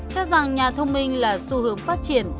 cho rằng nhà thông minh là xu hướng phát triển